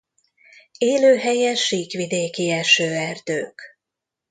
Élőhelye síkvidéki esőerdők.